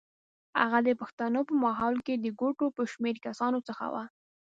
هغه د پښتنو په ماحول کې د ګوتو په شمېر کسانو څخه و.